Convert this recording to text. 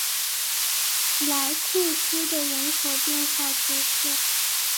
莱库斯人口变化图示